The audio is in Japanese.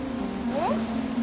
えっ？